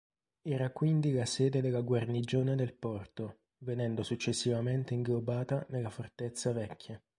Era quindi la sede della guarnigione del porto, venendo successivamente inglobata nella Fortezza Vecchia.